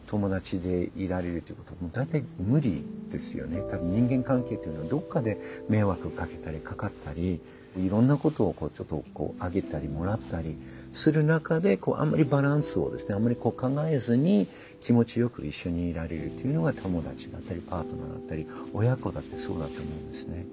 うん多分人間関係っていうのはどっかで迷惑をかけたりかかったりいろんなことをちょっとあげたりもらったりする中であんまりバランスを考えずに気持ちよく一緒にいられるっていうのが友達だったりパートナーだったり親子だってそうだと思うんですね。